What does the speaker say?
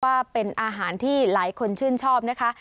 ว่าเป็นอาหารที่หลายคนชื่นชอบนะคะ